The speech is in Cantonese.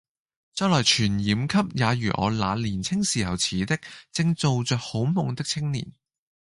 再來傳染給也如我那年青時候似的正做著好夢的青年。